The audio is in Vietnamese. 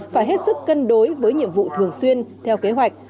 phải hết sức cân đối với nhiệm vụ thường xuyên theo kế hoạch